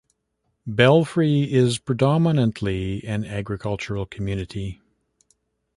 Belfry is predominantly an agricultural community.